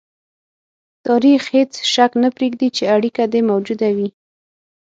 تاریخ هېڅ شک نه پرېږدي چې اړیکه دې موجوده وي.